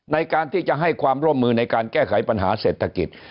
ในการที่จะให้ความร่วมมือในการแก้ไขปัญหาเศรษฐกิจ